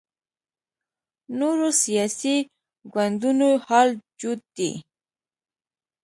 نورو سیاسي ګوندونو حال جوت دی